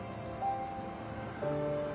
うん。